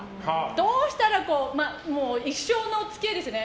どうしたら一生の付き合いですよね。